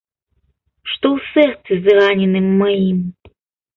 Што ў сэрцы зраненым маім.